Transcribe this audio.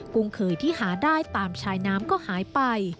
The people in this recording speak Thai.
ุงเคยที่หาได้ตามชายน้ำก็หายไป